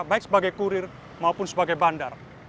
baik sebagai kurir maupun sebagai bandar